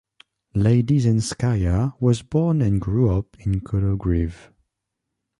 Ladyzhenskaya was born and grew up in Kologriv.